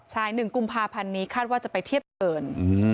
ใช่๑กุมภาพันธ์นี้คาดว่าจะไปเทียบกับเอิญ